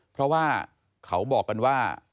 เพราะว่าเขาบอกกันว่า